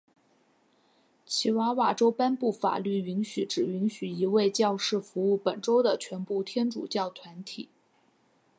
奇瓦瓦州颁布法律允许只允许一位教士服务本州的全部天主教团体。